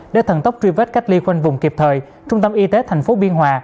để thần tốc truy vết cách ly quanh vùng kịp thời trung tâm y tế thành phố biên hòa